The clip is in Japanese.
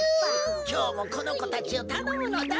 きょうもこのこたちをたのむのだ。